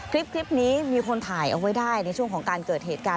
คลิปนี้มีคนถ่ายเอาไว้ได้ในช่วงของการเกิดเหตุการณ์